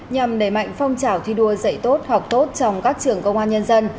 nhằm đẩy mạnh phong trào thi đua dạy tốt học tốt trong các trường công an nhân dân